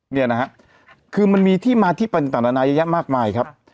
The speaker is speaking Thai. เนี่ยนะฮะคือมันมีที่มาที่ปัญญาต่างต่างนายามากมายครับ